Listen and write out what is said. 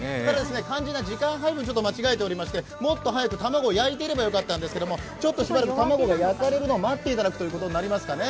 肝心な時間配分を間違えておりまして、もっと早く焼いておけばよかった、ちょっとしばらく卵が焼かれるのを待っていただくことになりますね。